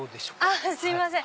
あっすいません。